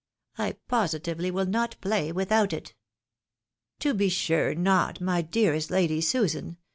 I positively will not play mthout it." ." To be sure not, my dearest Lady Susan